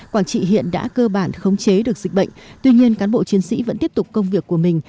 quảng trị hiện đã cơ bản khống chế được dịch bệnh tuy nhiên cán bộ chiến sĩ vẫn tiếp tục công việc của mình